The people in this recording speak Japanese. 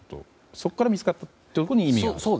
そこから見つかったことに意味がある？